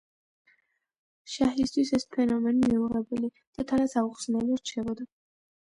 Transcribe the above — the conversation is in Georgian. შაჰისთვის ეს ფენომენი მიუღებელი და თანაც აუხსნელი რჩებოდა.